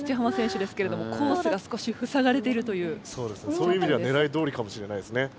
そういう意味ではねらいどおりかもしれないですね。